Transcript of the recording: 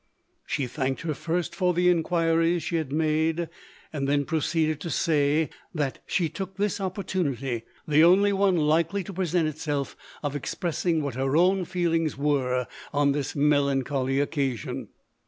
She thanked her first for the inquiries she had made, and then proceeded to say, that she took this opportunity, the only one likely to present itself, of expressing what her own feelings were on this melancholy occasion.